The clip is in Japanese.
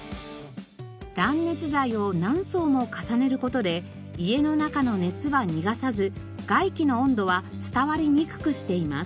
断熱材を何層も重ねる事で家の中の熱は逃がさず外気の温度は伝わりにくくしています。